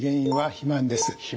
肥満？